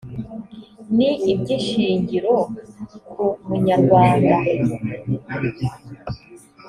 ni iby’ishingiro ku munyarwanda